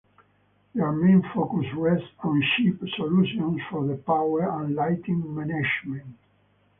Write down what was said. Their main focus rests on chip solutions for the power and lighting management.